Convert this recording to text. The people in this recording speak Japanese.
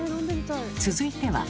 続いては。